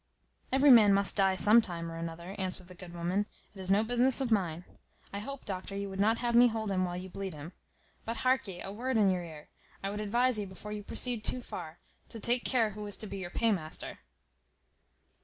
"Every man must die some time or other," answered the good woman; "it is no business of mine. I hope, doctor, you would not have me hold him while you bleed him. But, hark'ee, a word in your ear; I would advise you, before you proceed too far, to take care who is to be your paymaster."